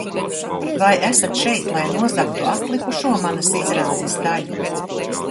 Vai esat šeit, lai nozagtu atlikušo manas izrādes daļu?